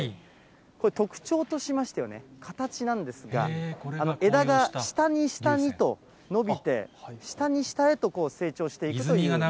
これ、特徴としましては、形なんですが、枝が下に下にと伸びて、下に下へと成長していくというもみじ